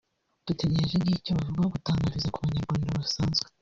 dutegereje nkicyo bavuga ku gutanga visa ku banyarwanda basanzwe